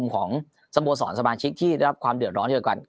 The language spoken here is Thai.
ของสมสรรค์สะบานชิที่ได้รับความเดือดร้อนใช้ด้วยกัน